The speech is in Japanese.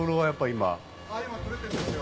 今取れてるんですよ。